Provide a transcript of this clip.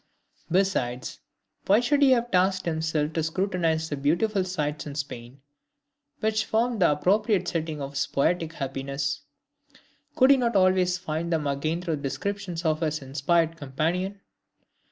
Besides, why should he have tasked himself to scrutinize the beautiful sites in Spain which formed the appropriate setting of his poetic happiness? Could he not always find them again through the descriptions of his inspired companion?